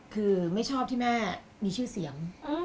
คือไม่ชอบที่แม่มีชื่อเสียง